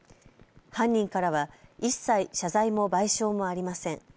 犯人からは一切、謝罪も賠償もありません。